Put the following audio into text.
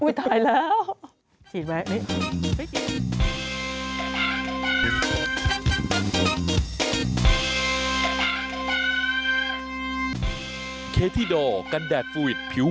อุ้ยตายแล้ว